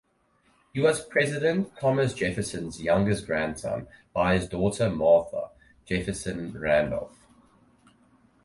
He was President Thomas Jefferson's youngest grandson by his daughter Martha Jefferson Randolph.